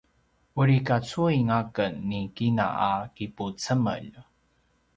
uri kacuin aken ni kina a kipucemel